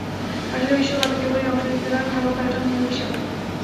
আসলে বিশ্বকাপে কেবলই অংশ নিতে নয়, ভালো খেলাটাই ছিল মূল বিষয়।